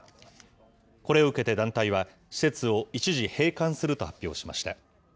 これを受けて団体は、施設を一時閉館すると発表しました。